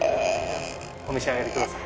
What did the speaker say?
お召し上がりください。